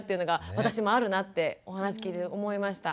私もあるなってお話聞いてて思いました。